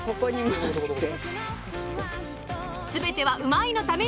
全てはうまいッ！のために。